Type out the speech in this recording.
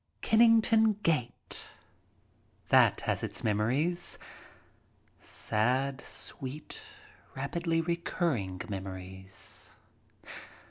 Kennington Gate. That has its memories. Sad, sweet, rapidly recurring memories.